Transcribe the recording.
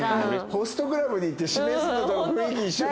ホストクラブに行って指名するのと雰囲気一緒だよね。